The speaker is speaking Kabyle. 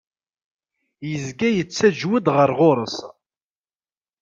Yezga yettaǧew-d ɣer ɣur-s.